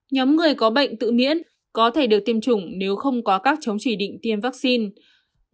nhóm người có bệnh tự miễn có thể được tiêm chủng nếu không có các chống chỉ định tiêm vaccine